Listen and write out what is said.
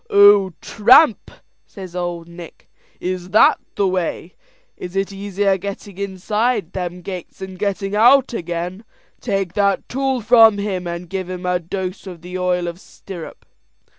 "Oh, tramp!" says Ould Nick; "is that the way? It is easier getting inside them gates than getting out again. Take that tool from him, and give him a dose of the oil of stirrup."